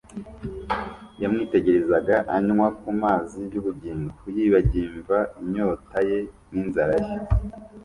Yamwitegerezaga anywa ku mazi y'ubugingo; yibagimva inyota ye n'inzara ye.